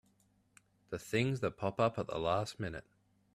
The things that pop up at the last minute!